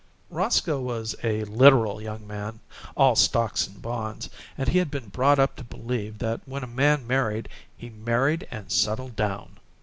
Roscoe was a literal young man, all stocks and bonds, and he had been brought up to believe that when a man married he "married and settled down."